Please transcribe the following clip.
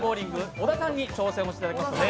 小田さんに挑戦していただきます。